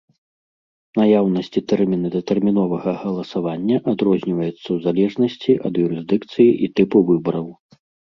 Наяўнасць і тэрміны датэрміновага галасавання адрозніваюцца ў залежнасці ад юрысдыкцыі і тыпу выбараў.